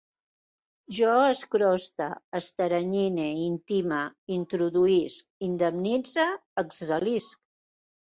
Jo escroste, esteranyine, intime, introduïsc, indemnitze, excel·lisc